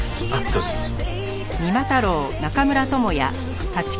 どうぞどうぞ。